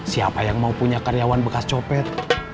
siapa yang mau punya karyawan bekas copet